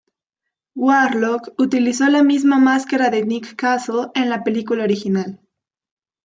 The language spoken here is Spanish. Warlock utilizó la misma máscara de Nick Castle en la película original.